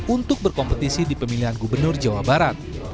untuk berkompetisi di pemilihan gubernur jawa barat